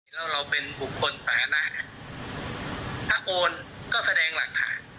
แล้วเราเป็นบุคคลสาธารณะถ้าโอนก็แสดงหลักฐาน